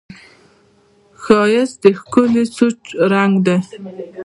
ښایست د ښکلي سوچ رنګ دی